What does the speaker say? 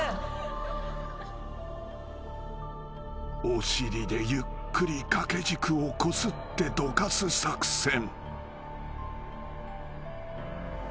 ［お尻でゆっくり掛け軸をこすってどかす作戦］